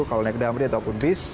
kalau naik damri ataupun bis